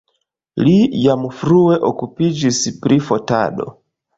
Li jam frue okupiĝis pri fotado.